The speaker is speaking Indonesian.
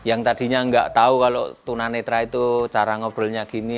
yang tadinya nggak tahu kalau tunanetra itu cara ngobrolnya gini